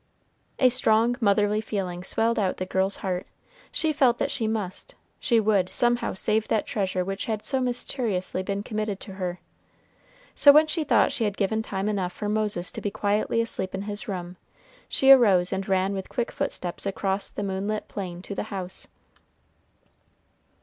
A strong motherly feeling swelled out the girl's heart, she felt that she must, she would, somehow save that treasure which had so mysteriously been committed to her. So, when she thought she had given time enough for Moses to be quietly asleep in his room, she arose and ran with quick footsteps across the moonlit plain to the house.